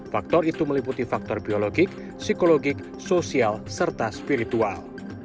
faktor itu meliputi faktor biologik psikologik sosial serta spiritual